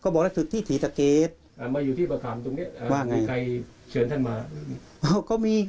ก็มาอยู่ที่ประคาบตรงนี้